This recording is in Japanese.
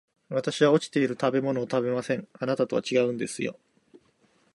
私は落ちている食べ物を食べません、あなたとは違うんですよ